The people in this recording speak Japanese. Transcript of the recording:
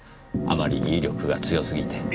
あまりに威力が強すぎて。